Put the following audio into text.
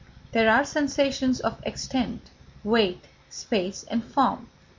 There are sensations of extent, weight, space, and form.